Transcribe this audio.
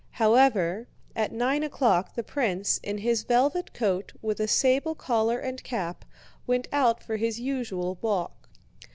However, at nine o'clock the prince, in his velvet coat with a sable collar and cap, went out for his usual walk.